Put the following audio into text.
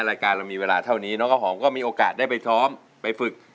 รายการเรามีเวลาเท่านี้น้องข้าวหอมก็มีโอกาสได้ไปซ้อมไปฝึก